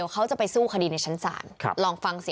เขาจะไปสู้คดีในชั้นศาล